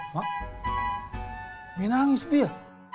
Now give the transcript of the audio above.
mak minangis dia